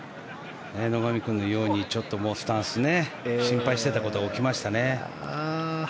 野上君のようにちょっと、スタンスね心配していたことが起きましたね。